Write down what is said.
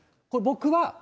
これ、僕は。